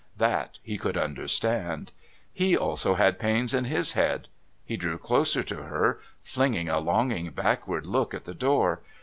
That he could understand. He also had pains in his head. He drew closer to her, flinging a longing backward look at the door.